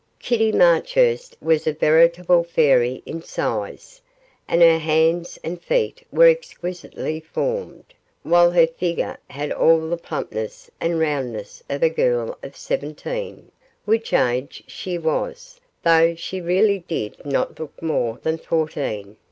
Kitty Marchurst was a veritable fairy in size, and her hands and feet were exquisitely formed, while her figure had all the plumpness and roundness of a girl of seventeen which age she was, though she really did not look more than fourteen.